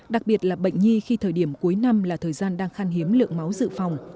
đặc biệt là bệnh nhi khi thời điểm cuối năm là thời gian đang khan hiếm lượng máu dự phòng